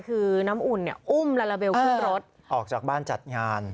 คือน้ำอุ่นเนี่ยอุ้มลาลาเบลขึ้นรถออกจากบ้านจัดงาน